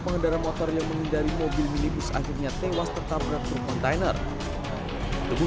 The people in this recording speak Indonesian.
pengendara motor yang menghindari mobil minibus akhirnya tewas tertabrak truk kontainer tubuh